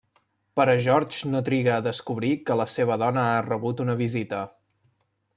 Però George no triga a descobrir que la seva dona ha rebut una visita.